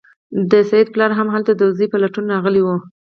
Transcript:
د سید پلار هم هلته د زوی په لټون راغلی و.